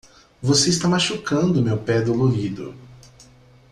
Você está machucando meu pé dolorido.